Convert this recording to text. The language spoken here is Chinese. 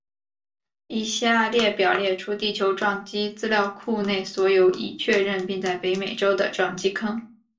以下列表列出地球撞击资料库内所有已确认并在北美洲的撞击坑。